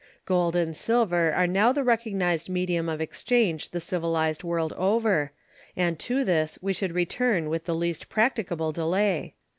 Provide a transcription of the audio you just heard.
Gold and silver are now the recognized medium of exchange the civilized world over, and to this we should return with the least practicable delay.